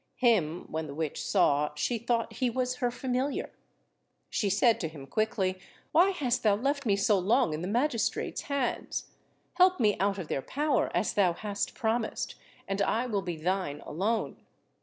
Him, when the witch saw, she thought he was her familiar. She said to him quickly, "Why hast thou left me so long in the magistrate's hands? Help me out of their power, as thou hast promised, and I will be thine alone.